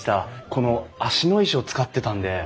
この芦野石を使ってたんで。